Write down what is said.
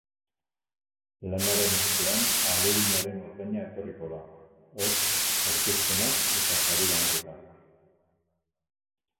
Lanaren ostean ahaleginaren ordaina etorriko da, hots, aurkezpenak eta sari banaketa.